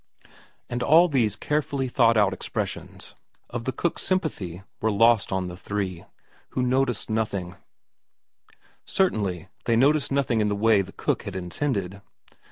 And all these carefully thought out expressions of the cook's sympathy were lost on the three, who noticed nothing ; certainly they noticed nothing in the way the cook had intended.